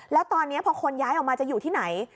แล้วตอนนี้พอคนย้ายออกมาจะอยู่ที่ไหน